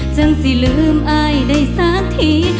จังสิลืมอายได้สักที